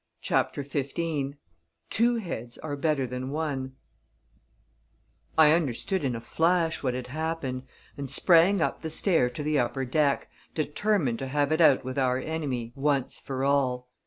CHAPTER XV Two Heads are Better than One I understood in a flash what had happened, and sprang up the stair to the upper deck, determined to have it out with our enemy, once for all.